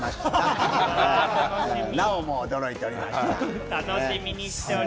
矢作も驚いておりました。